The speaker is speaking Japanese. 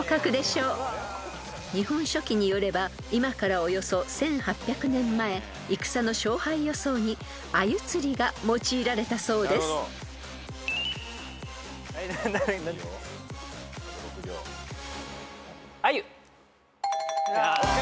［『日本書紀』によれば今からおよそ１，８００年前戦の勝敗予想にあゆ釣りが用いられたそうです］ＯＫ！